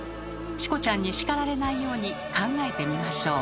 チコちゃんにしかられないように考えてみましょう。